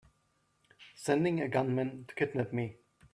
Sending a gunman to kidnap me!